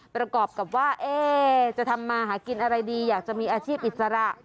ประกอบกับว่าจะทำมาหากินอะไรดีอยากจะมีอาชีพอิสระ